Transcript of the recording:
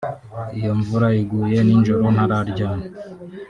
iyo imvura iguye n’ijoro ntararyama